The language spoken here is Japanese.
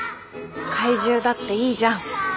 怪獣だっていいじゃん